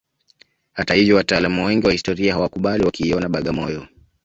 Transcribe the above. Hata hivyo wataalamu wengi wa historia hawakubali wakiiona Bagamoyo